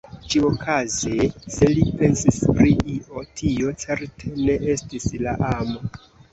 Ĉiuokaze, se li pensis pri io, tio certe ne estis la amo.